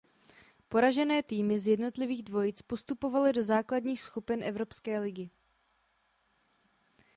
Poražené týmy z jednotlivých dvojic postupovaly do základních skupin Evropské ligy.